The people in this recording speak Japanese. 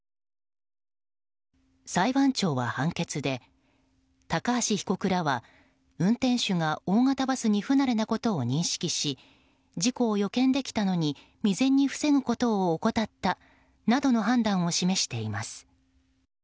裁判長は判決で、高橋被告らは運転手が大型バスに不慣れなことを認識し事故を予見できたのに未然に防ぐことを怠ったなどの判断を示しています。